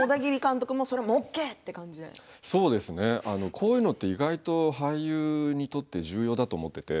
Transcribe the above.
こういうのって意外と俳優にとって重要だと思ってて。